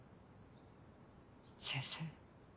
先生